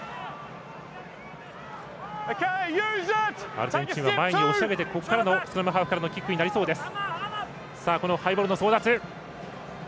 アルゼンチンは前に攻めてここからのスクラムハーフからのキックになりそうです。